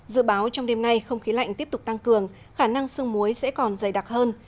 dự báo trong đêm nay không khí lạnh tiếp tục tăng cường khả năng sương muối sẽ còn dày đặc hơn